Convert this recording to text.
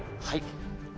はい。